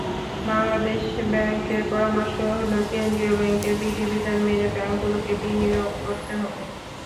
বাংলাদেশ ব্যাংকের পরামর্শ হলো, কেন্দ্রীয় ব্যাংকের বিধিবিধান মেনে ব্যাংকগুলোকে বিনিয়োগ করতে হবে।